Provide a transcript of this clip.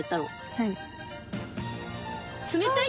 はい。